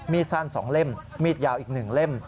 สั้น๒เล่มมีดยาวอีก๑เล่ม